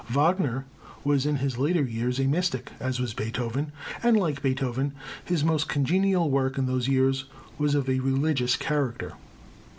Wagner was, in his later years, a mystic, as was Beethoven; and like Beethoven his most congenial work in those years was of a religious character.